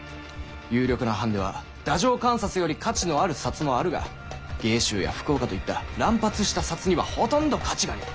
有力な藩では太政官札より価値のある札もあるが芸州や福岡といった乱発した札にはほとんど価値がねぇ。